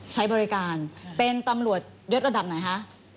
ใช้บริการเป็นตำรวจยศระดับไหนคะ